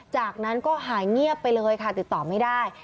จากนั้นก็หายเงียบไปเลยค่ะติดต่อไม่ได้